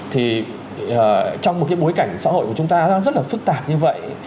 thì trong một cái bối cảnh xã hội của chúng ta rất là phức tạp như vậy